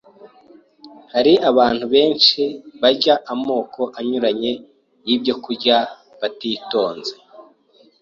Hari abantu benshi barya amoko anyuranye y’ibyokurya batitonze,